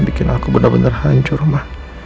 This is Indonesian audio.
bikin aku benar benar hancur mah